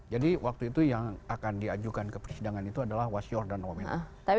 jadi waktu itu yang akan diajukan ke persidangan itu adalah wasyur dan omid